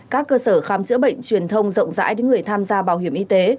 các cơ sở khám chữa bệnh truyền thông rộng rãi đến người tham gia bảo hiểm y tế